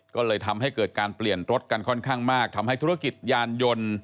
ก็เลยทำให้เกิดการเปลี่ยนรถกันค่อนข้างมากทำให้ธุรกิจยานยนต์